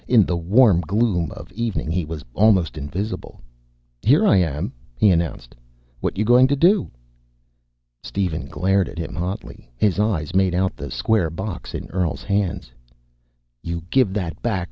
In the warm gloom of evening he was almost invisible. "Here I am," he announced. "What you going to do?" Steven glared at him hotly. His eyes made out the square box in Earl's hands. "You give that back!